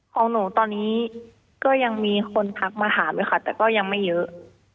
ของหนูตอนนี้ก็ยังมีคนทักมาถามเลยค่ะแต่ก็ยังไม่เยอะ